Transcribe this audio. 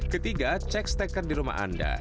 ketiga cek steker di rumah anda